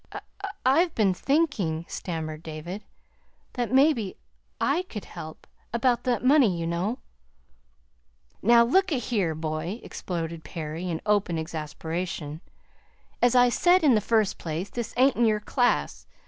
"I've been thinking," stammered David, "that maybe I could help, about that money, you know." "Now, look a here, boy," exploded Perry, in open exasperation, "as I said in the first place, this ain't in your class.